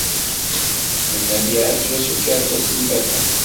Mennad yeɛjeb-as ukerbas n Baya.